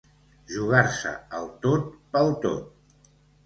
Jugar-se el tot pel tot.